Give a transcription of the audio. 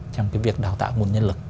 trong cái việc đào tạo nguồn nhân lực